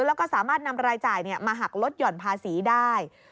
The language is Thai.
แล้วก็สามารถนำรายจ่ายมาหักลดหย่อนภาษีได้